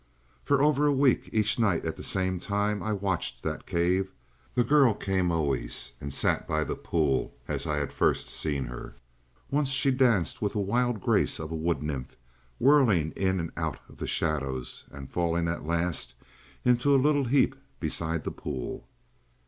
"For over a week, each night at the same time I watched that cave. The girl came always, and sat by the pool as I had first seen her. Once she danced with the wild grace of a wood nymph, whirling in and out the shadows, and falling at last in a little heap beside the pool.